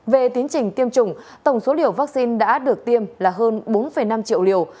về tiến trình tiêm chủng tổng số liều vaccine đã được tiêm là hơn bốn năm triệu liều